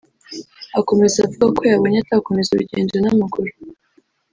Akomeza avuga ko yabonye atakomeza urugendo n’amaguru